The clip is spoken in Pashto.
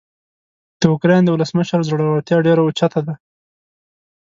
د اوکراین د ولسمشر زړورتیا ډیره اوچته ده.